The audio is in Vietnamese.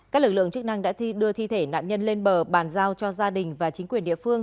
các lực lượng chức năng đã đưa thi thể nạn nhân lên bờ bàn giao cho gia đình và chính quyền địa phương